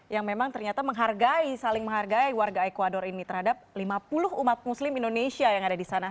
yang memang ternyata menghargai saling menghargai warga ecuador ini terhadap lima puluh umat muslim indonesia yang ada di sana